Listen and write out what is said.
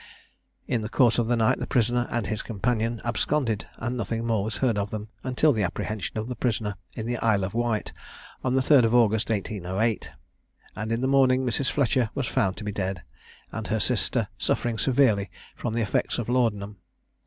In the course of the night the prisoner and his companion absconded, and nothing more was heard of them until the apprehension of the prisoner in the Isle of Wight, on the 3rd of August 1808; and in the morning Mrs. Fletcher was found to be dead, and her sister suffering severely from the effects of laudanum.